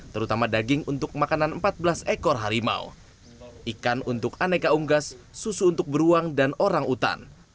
terutama daging untuk makanan empat belas ekor harimau ikan untuk aneka unggas susu untuk beruang dan orang utan